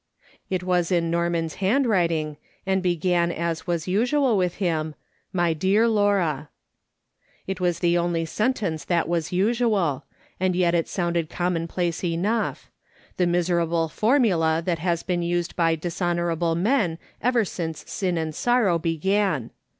It was in Norman's handwriting, and began as was usual with him :" ^ly dear Laura !" It was the only sentence that was as usual, and yet it sounded com monplace enough ; the miserable formula that has been used by dishonourable men ever since sin and sorrow began.